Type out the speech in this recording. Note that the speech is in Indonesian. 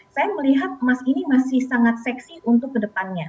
saya melihat emas ini masih sangat seksi untuk kedepannya